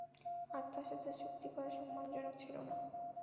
আর তার সাথে চুক্তি করা সম্মানজনক ছিল না।